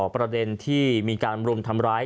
ฟังเสียงคนที่ไปรับของกันหน่อย